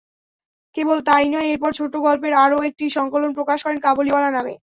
কেবল তা-ই নয়, এরপর ছোটগল্পের আরও একটি সংকলন প্রকাশ করেন কাবুলিওয়ালা নামে।